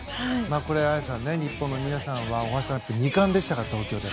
これ、綾さんね日本の皆さんは大橋さん、２冠でしたから東京で。